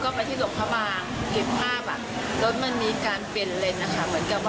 หม้อที่จะกั้นมันก็เลยดิ่งลงเหว